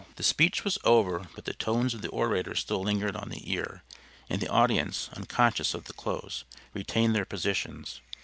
'" The speech was over but the tones of the orator still lingered on the ear, and the audience, unconscious of the close, retained their positions.